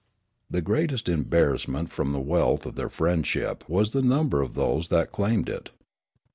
The greatest embarrassment from the wealth of their friendship was the number of those that claimed it.